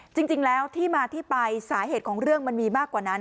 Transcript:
จริงแล้วที่มาที่ไปสาเหตุของเรื่องมันมีมากกว่านั้น